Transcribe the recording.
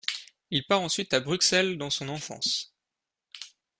Il part ensuite à Bruxelles dans son enfance.